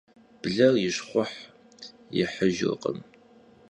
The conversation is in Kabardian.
Bler yi şxhuh yihıjjırkhım.